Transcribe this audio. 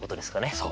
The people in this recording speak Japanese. そう。